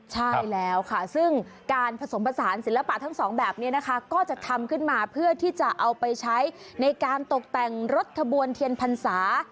ใช่แล้วค่ะซึ่งการผสมผสานศิลปะทั้งสองแบบนี้นะคะก็จะทำขึ้นมาเพื่อที่จะเอาไปใช้ในการตกแต่งรถขบวนเทียนพรรษา